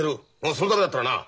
そのためだったらなあ